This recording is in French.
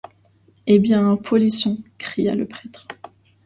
Eh bien, polissons! cria le prêtre.